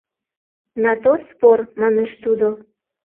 «На то спор», — манеш тудо.